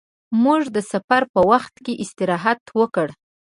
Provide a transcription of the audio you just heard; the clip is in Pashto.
موږ د سفر په وخت کې استراحت وکړ.